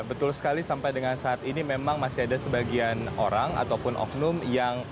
betul sekali sampai dengan saat ini memang masih ada sebagian orang ataupun oknum yang